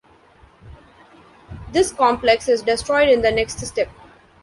This complex is destroyed in the next step.